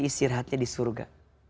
isirhatnya di surga